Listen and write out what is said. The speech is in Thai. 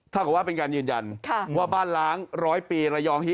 กับว่าเป็นการยืนยันว่าบ้านล้าง๑๐๐ปีระยองฮิ